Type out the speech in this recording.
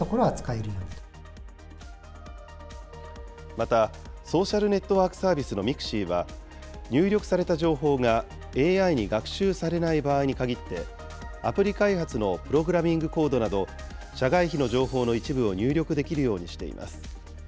また、ソーシャルネットワークサービスのＭＩＸＩは、入力された情報がＡＩに学習されない場合に限って、アプリ開発のプログラミングコードなど、社外秘の情報の一部を入力できるようにしています。